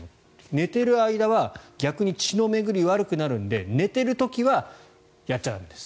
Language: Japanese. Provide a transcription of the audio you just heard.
寝ている間は逆に血の巡りが悪くなるので寝ている時はやっちゃ駄目です。